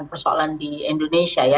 persoalan di indonesia ya